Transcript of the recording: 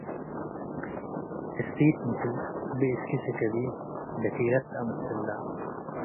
እሲት “ምስል ብእስኪ ስከቢ” ደኪለት ተአምስለ።